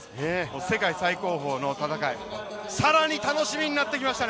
世界最高峰の戦い、さらに楽しみになってきましたね！